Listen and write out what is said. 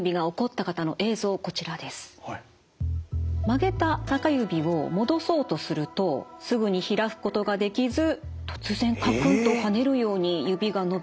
曲げた中指を戻そうとするとすぐに開くことができず突然かくんと跳ねるように指が伸びます。